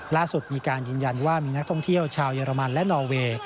ล่าสุดมีการยืนยันว่ามีนักท่องเที่ยวชาวเยอรมันและนอเวย์